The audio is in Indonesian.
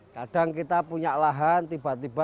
kadang kita punya lahan tiba tiba